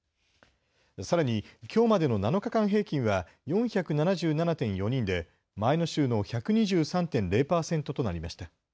さらにきょうまでの７日間平均は４７７．４人で前の週の１２３．０％となりました。